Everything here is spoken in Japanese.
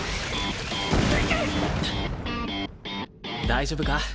大丈夫か？